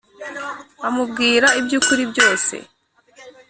amubwira iby ukuri byose